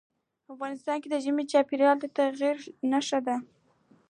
افغانستان کې ژمی د چاپېریال د تغیر نښه ده.